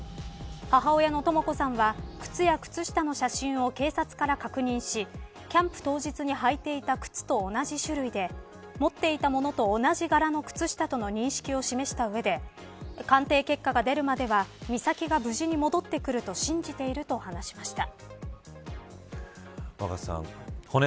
母親のとも子さんは靴や靴下の写真を警察から確認しキャンプ当日に履いていた靴と同じ種類で持っていたものと同じ柄の靴下との認識を示した上で鑑定結果が出るまでは、美咲が無事に戻ってくると信じていると話しました。